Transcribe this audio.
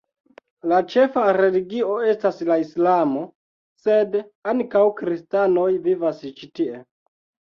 La ĉefa religio estas la islamo, sed ankaŭ kristanoj vivas ĉi tie.